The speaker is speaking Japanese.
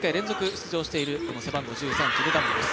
出場している背番号２３、キム・ダンビです。